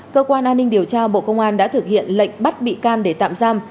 cơ quan an ninh điều tra bộ công an đã thực hiện lệnh bắt bị can để tạm giam